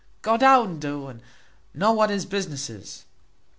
Go down, do, and know what his business is."